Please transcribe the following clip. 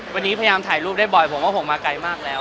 วันนี้พยายามถ่ายรูปได้บ่อยผมว่าผมมาไกลมากแล้ว